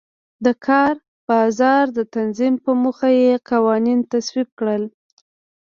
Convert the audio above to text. د کار بازار د تنظیم په موخه یې قوانین تصویب کړل.